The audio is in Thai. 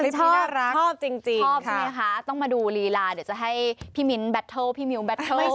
ด้วยฉันดูแล้วด้วยฉันชอบ